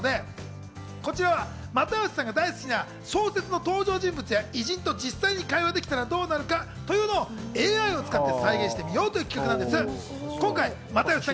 そして２つ目、ＡＩ開発者の竹之内大輔さんとのコラボでこちら、又吉さんが大好きな小説の登場人物や偉人と実際に会話ができたらどうなるかというのをＡＩを使って再現してみようという企画なんです。